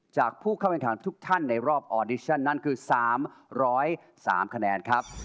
ผู้เข้าแข่งขันทุกท่านในรอบออดิชั่นนั้นคือ๓๐๓คะแนนครับ